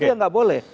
itu yang nggak boleh